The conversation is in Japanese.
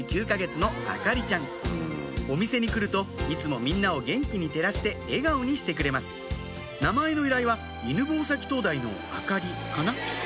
お店に来るといつもみんなを元気に照らして笑顔にしてくれます名前の由来は犬吠埼灯台の明かりかな？